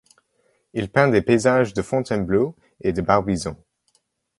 Il peint des paysages de Fontainebleau et de Barbizon.